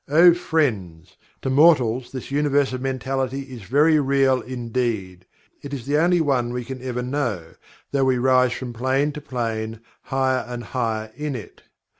Oh, friends, to mortals this Universe of Mentality is very real indeed it is the only one we can ever know, though we rise from plane to plane, higher and higher in it.